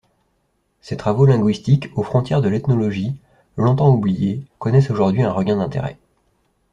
Ses travaux linguistiques, aux frontières de l’ethnologie, longtemps oubliés, connaissent aujourd'hui un regain d’intérêt.